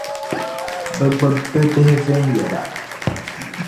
bɛ gbibi bɛ bihi viɛnyɛla.